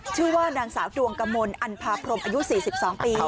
ชื่อว่านางสาวดวงกมลอันภาพรมอายุ๔๒ปี